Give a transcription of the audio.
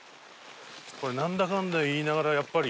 これなんだかんだ言いながらやっぱり。